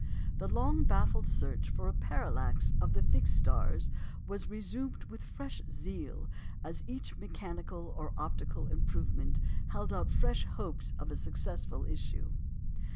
The long baffled search for a parallax of the fixed stars was resumed with fresh zeal as each mechanical or optical improvement held out fresh hopes of a successful issue.